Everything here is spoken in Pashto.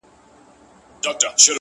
• کله شات کله شکري پيدا کيږي؛